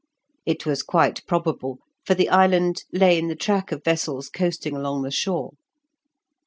It was quite probable, for the island lay in the track of vessels coasting along the shore.